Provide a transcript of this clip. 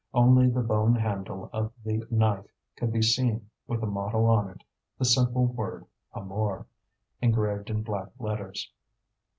Only the bone handle of the knife could be seen with the motto on it, the simple word "Amour," engraved in black letters.